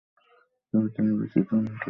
তবে তিনি বিশ্বে টনি লুইস নামেই সবিশেষ পরিচিত।